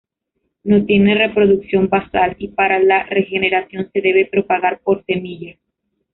No tiene reproducción basal y para la regeneración se debe propagar por semilla.